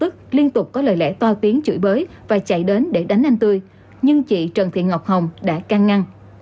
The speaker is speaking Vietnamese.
cường chạy đến để đánh anh tươi nhưng chị trần thị ngọc hồng đã căng ngăn